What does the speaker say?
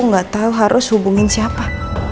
nggak tahu harus hubungin siapa